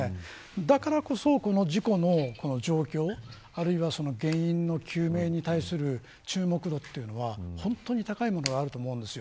だからこそ、この事故の状況あるいは原因の究明に対する注目度というのは本当に高いものがあると思うんです。